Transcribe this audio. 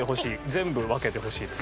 全部分けてほしいです。